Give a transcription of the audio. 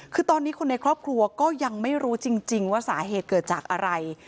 คือตอนนี้คนในครอบครัวก็ยังไม่รู้จริงว่าสาเหตุเกิดจากอะไร